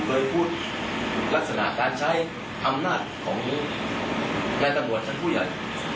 โดยพูดลักษณะการใช้อำนาจของนายตำรวจชั้นผู้ใหญ่